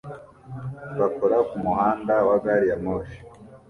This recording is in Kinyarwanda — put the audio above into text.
bakora kumuhanda wa gari ya moshi